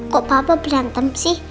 kok papa berantem sih